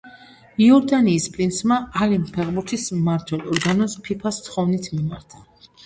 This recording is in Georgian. იორდანიის პრინცმა ალიმ ფეხბურთის მმართველ ორგანოს ფიფას თხოვნით მიმართა.